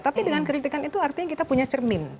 tapi dengan kritikan itu artinya kita punya cermin